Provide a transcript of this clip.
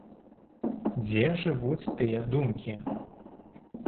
Дзе жывуць тыя думкі?